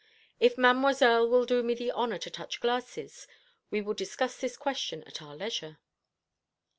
If Mademoiselle will do me the honour to touch glasses, we will discuss this question at our leisure."